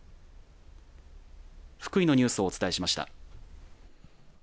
福井のニュースをお伝えしました。